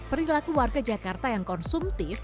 perilaku warga jakarta yang konsumtif